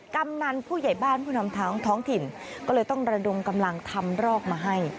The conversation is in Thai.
กำนันผู้ใหญ่บ้านผู้นำท้องถิ่นก็เลยต้องระดมกำลังทำรอกมาให้